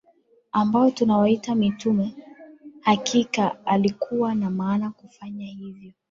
ambao tunawaita mitume Hakika alikuwa na maana kufanya hivyo